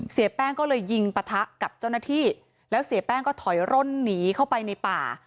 เสียแป้งก็เลยยิงปะทะกับเจ้าหน้าที่แล้วเสียแป้งก็ถอยร่นหนีเข้าไปในป่า